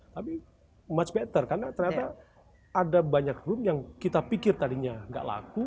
tapi mutch better karena ternyata ada banyak room yang kita pikir tadinya gak laku